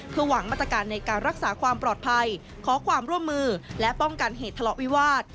หวังมาตรการในการรักษาความปลอดภัยขอความร่วมมือและป้องกันเหตุทะเลาะวิวาส